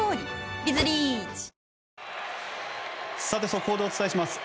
速報でお伝えします。